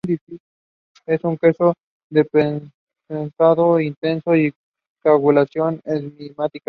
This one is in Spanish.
Es un queso de prensado intenso y coagulación enzimática.